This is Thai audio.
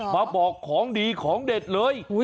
มาบอกของดีของเด็ดเลย